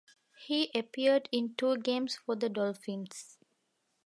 He appeared in two games for the Dolphins.